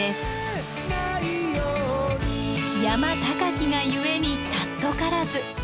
山高きがゆえに貴からず。